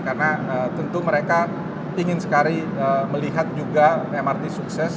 karena tentu mereka ingin sekali melihat juga mrt sukses